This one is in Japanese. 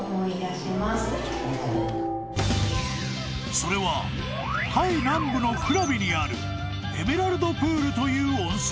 ［それはタイ南部のクラビにあるエメラルドプールという温泉］